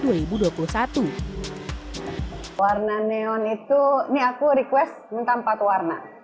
warna neon itu ini aku request minta empat warna